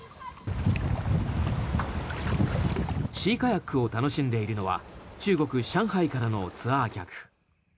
シーカヤックを楽しんでいるのは中国・上海からのツアー客。